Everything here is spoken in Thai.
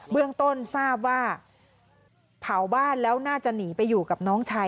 เรื่องต้นทราบว่าเผาบ้านแล้วน่าจะหนีไปอยู่กับน้องชาย